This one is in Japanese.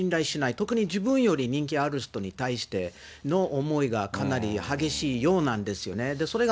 特に自分より人気ある人に対しての思いがかなり激しいようなんですよね。